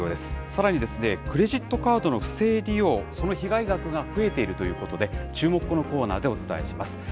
さらに、クレジットカードの不正利用、その被害額が増えているということで、チューモク！のコーナーでお伝えします。